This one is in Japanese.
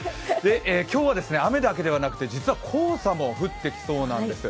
今日は雨だけではなくて実は黄砂も降ってきそうなんです。